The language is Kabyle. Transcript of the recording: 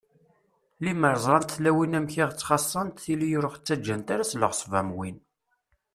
Lemmer ẓrant tlawin amek i ɣ-ttxaṣṣant, tili ur ɣ-ttaǧǧant ara s leɣṣeb am win.